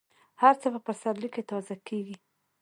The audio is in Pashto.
هر څه په پسرلي کې تازه کېږي.